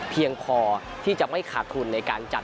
เพียงพอที่จะไม่ขาดทุนในการจัด